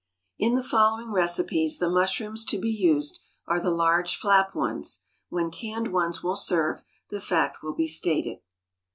In the following recipes the mushrooms to be used are the large flap ones. When canned ones will serve, the fact will be stated.